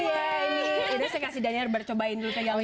ini saya kasih dana udah bercobain dulu ke yang benar